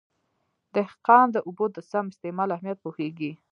دهقان د اوبو د سم استعمال اهمیت پوهېږي.